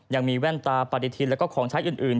ยังมีแว่นตาปฏิทินแล้วก็ของใช้อื่น